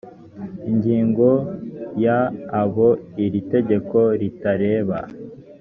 ingingo ya abo iri tegeko ritareba